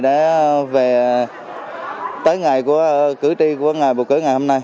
để về tới ngày của cử tri của ngày bầu cử ngày hôm nay